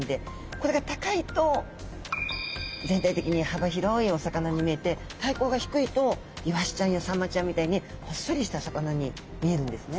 これが高いと全体的に幅広いお魚に見えて体高が低いとイワシちゃんやサンマちゃんみたいにほっそりした魚に見えるんですね。